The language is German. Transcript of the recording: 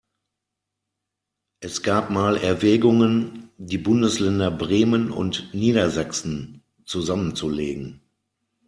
Es gab mal Erwägungen, die Bundesländer Bremen und Niedersachsen zusammenzulegen.